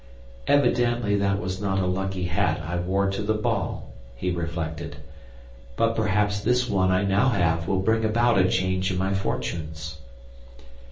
"Evidently that was not a lucky hat I wore to the ball," he reflected; "but perhaps this one I now have will bring about a change in my fortunes."